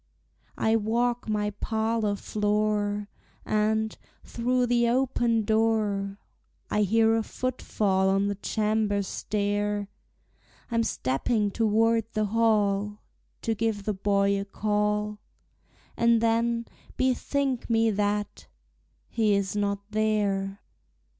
I walk my parlor floor, And, through the open door, I hear a footfall on the chamber stair; I'm stepping toward the hall To give the boy a call; And then bethink me that he is not there!